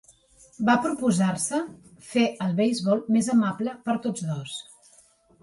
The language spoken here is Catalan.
Va proposar-se fer el beisbol més amable per tots dos.